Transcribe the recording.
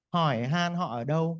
hỏi han họ ở đâu